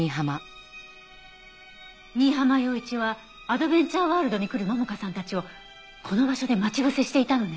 新浜陽一はアドベンチャーワールドに来る桃香さんたちをこの場所で待ち伏せしていたのね。